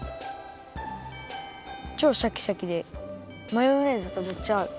ちょうシャキシャキでマヨネーズとめっちゃあう！